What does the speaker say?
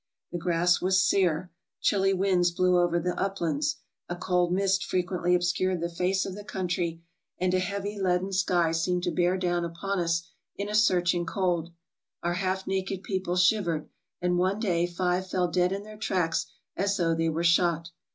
The grass was sere; chilly winds blew over the uplands; a cold mist frequently obscured the face of the country, and a heavy, 352 TRAVELERS AND EXPLORERS leaden sky seemed to bear down upon us in a searching cold. Our half naked people shivered, and one day five fell dead in their tracks as though they were shot.